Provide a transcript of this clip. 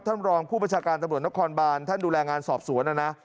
ท่านรองผู้ประชาการตำรวจนครบานท่านดูแลงานสอบสวนนะนะ